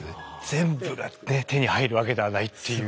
全部がね手に入るわけではないっていう。